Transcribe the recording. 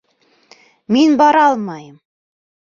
Мин бара алмайым!